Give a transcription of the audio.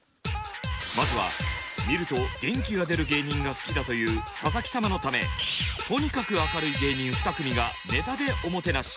まずは見ると元気が出る芸人が好きだという佐々木様のためとにかく明るい芸人ふた組がネタでおもてなし。